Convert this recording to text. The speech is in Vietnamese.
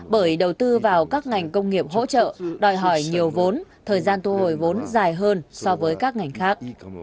bởi đầu tư vào các ngành công nghiệp hỗ trợ đòi hỏi nhiều vốn thời gian thu hồi vốn dài hơn so với các ngành khác